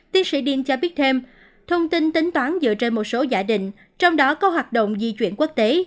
tiến sĩ diên cho biết thêm thông tin tính toán dựa trên một số giả định trong đó có hoạt động di chuyển quốc tế